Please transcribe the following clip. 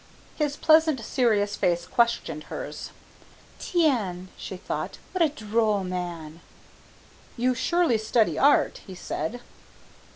His pleasant serious face questioned hers. "Tiens," she thought, "what a droll man!" "You surely study art?" he said.